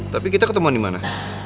tapi kita ketemu dimana